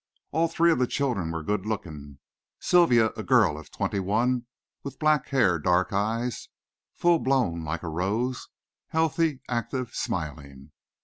All three of the children were good looking, Sylvia, a girl of twenty one, with black hair, dark eyes, full blown like a rose, healthy, active, smiling.